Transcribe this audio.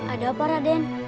ada apa raden